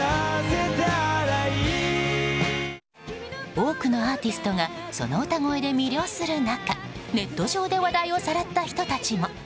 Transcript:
多くのアーティストがその歌声で魅了する中ネット上で話題をさらった人たちも。